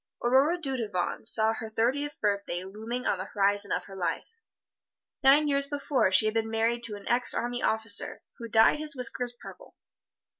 Aurora Dudevant saw her thirtieth birthday looming on the horizon of her life. Nine years before she had been married to an ex army officer, who dyed his whiskers purple.